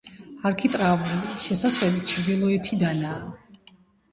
არქიტრავული შესასვლელი ჩრდილოეთიდანაა.